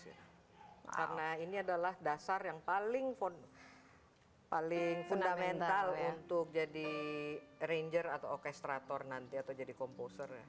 karena ini adalah dasar yang paling fundamental untuk jadi arranger atau orkestrator nanti atau jadi komposer